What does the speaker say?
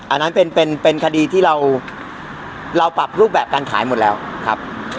อันนั้นเป็นคดีที่เราปรับรูปแบบการขายหมดแล้วครับ